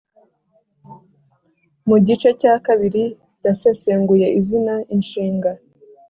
Mu gice cya kabiri yasesenguye izina, inshinga,